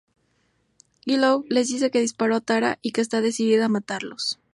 Willow les dice que disparó a Tara y que está decidida a matarlos.